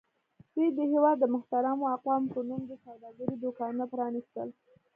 دوی د هېواد د محترمو اقوامو په نوم د سوداګرۍ دوکانونه پرانیستل.